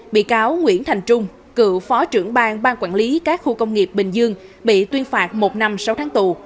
bị cáo nguyễn thành trung cựu phó trưởng bang ban quản lý các khu công nghiệp bình dương bị tuyên phạt một năm sáu tháng tù